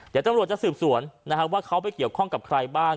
เดี๋ยวตำรวจจะสืบสวนนะครับว่าเขาไปเกี่ยวข้องกับใครบ้าง